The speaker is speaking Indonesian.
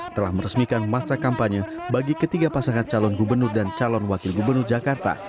telah meresmikan masa kampanye bagi ketiga pasangan calon gubernur dan calon wakil gubernur jakarta